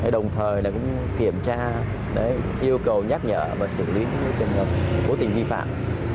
đồng thời là cũng kiểm tra yêu cầu nhắc nhở và xử lý trường hợp phố tỉnh vi phạm